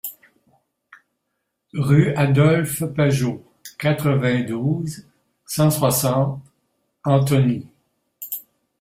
Rue Adolphe Pajeaud, quatre-vingt-douze, cent soixante Antony